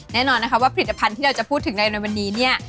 แน่นอนนะคะว่าผลิตภัณฑ์ที่เราจะพูดถึงในวันนี้เนี่ย